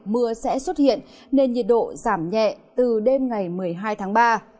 mưa sẽ xuất hiện nên nhiệt độ giảm nhẹ từ đêm ngày một mươi hai tháng ba